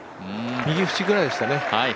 右縁ぐらいでしたね。